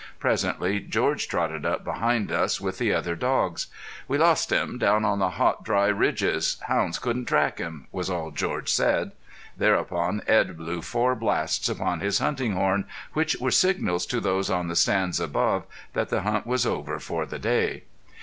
Presently George trotted up behind us with the other dogs. "We lost him down on the hot dry ridges. Hounds couldn't track him," was all George said. Thereupon Edd blew four blasts upon his hunting horn, which were signals to those on the stands above that the hunt was over for the day.